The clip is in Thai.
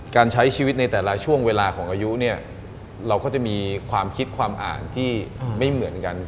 การใช้ชีวิตในแต่ละช่วงเวลาของอายุเนี่ยเราก็จะมีความคิดความอ่านที่ไม่เหมือนกัน